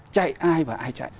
chạy ai và ai chạy